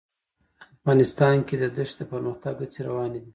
افغانستان کې د دښتې د پرمختګ هڅې روانې دي.